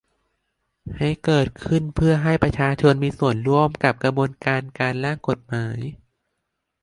ให้เกิดขึ้นเพื่อให้ประชาชนมีส่วนร่วมกับกระบวนการการร่างกฎหมาย